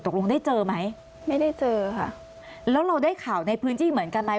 ตกลงได้เจอไหมไม่ได้เจอค่ะแล้วเราได้ข่าวในพื้นที่เหมือนกันไหม